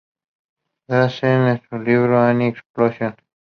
Drazen, en su libro "Anime Explosion!